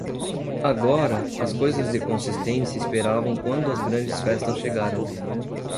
Agora, as coisas de consistência esperavam quando as grandes festas chegaram.